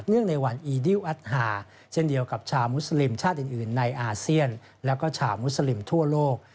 ในวันอีดิวแอดฮาเช่นเดียวกับชาวมุสลิมชาติอื่นในอาเซียนแล้วก็ชาวมุสลิมทั่วโลก